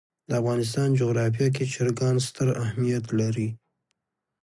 د افغانستان جغرافیه کې چرګان ستر اهمیت لري.